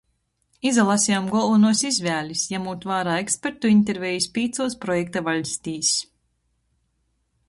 Izalasejom golvonuos izvēlis, jamūt vārā ekspertu intervejis pīcuos projekta vaļstīs.